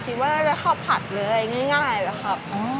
ผมคิดว่าจะได้ข้าวผัดหรืออะไรง่ายแล้วครับ